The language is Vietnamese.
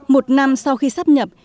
một năm sau khi sắp nhập